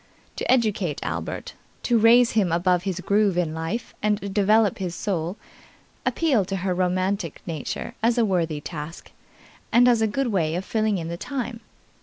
To educate Albert, to raise him above his groove in life and develop his soul, appealed to her romantic nature as a worthy task, and as a good way of filling in the time.